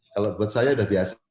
kalau buat saya udah biasa